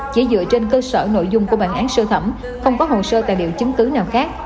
chỉ dựa trên cơ sở nội dung của bản án sơ thẩm không có hồ sơ tài liệu chứng cứ nào khác